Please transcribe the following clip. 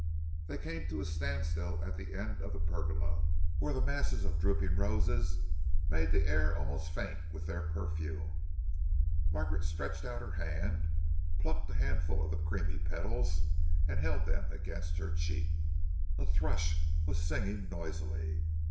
They came to a standstill at the end of the pergola, where the masses of drooping roses made the air almost faint with their perfume. Margaret stretched out her hand, plucked a handful of the creamy petals and held them against her cheek. A thrush was singing noisily.